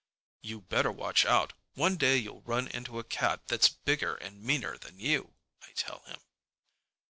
"You better watch out. One day you'll run into a cat that's bigger and meaner than you," I tell him.